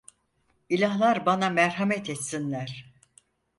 İlahlar bana merhamet etsinler…